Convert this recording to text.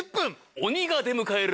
鬼が出迎える。